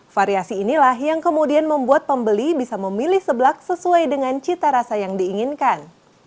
variasi inilah yang kemudian membuat pembeli bisa memilih seblak sesuai dengan cita rasa yang diinginkan